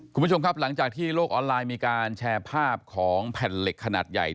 คุณผู้ชมครับหลังจากที่โลกออนไลน์มีการแชร์ภาพของแผ่นเหล็กขนาดใหญ่